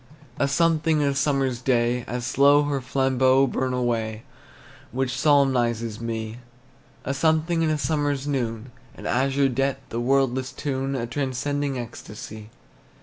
A something in a summer's day, As slow her flambeaux burn away, Which solemnizes me. A something in a summer's noon, An azure depth, a wordless tune, Transcending ecstasy.